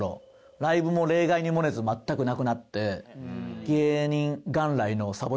ライブも例外に漏れず全くなくなって。